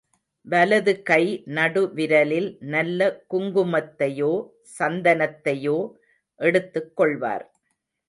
வலது கை நடு விரலில் நல்ல குங்குமத்தையோ சாந்தையோ எடுத்துக் கொள்வார்.